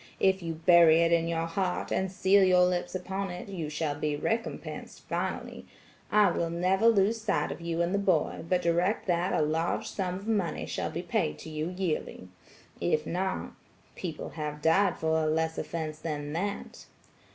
If you bury it in your heart, and seal your lips upon it, you shall be recompensed finally, I will never lose sight of you and the boy, but direct that a large sum shall be paid to you yearly. If not–people have died for a less offense than that.'